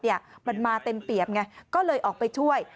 มันมาเต็มเปรียบไงก็เลยออกไปช่วย